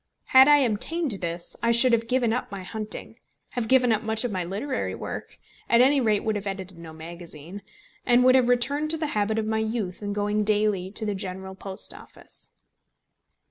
Had I obtained this I should have given up my hunting, have given up much of my literary work, at any rate would have edited no magazine, and would have returned to the habit of my youth in going daily to the General Post Office.